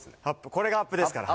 これがアップですからね。